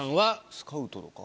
スカウトとか？